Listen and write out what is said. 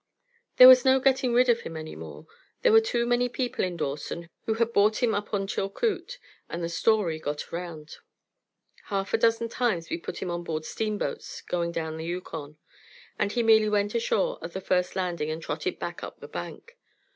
There was no getting rid of him any more. There were too many people in Dawson who had bought him up on Chilcoot, and the story got around. Half a dozen times we put him on board steamboats going down the Yukon; but he merely went ashore at the first landing and trotted back up the bank.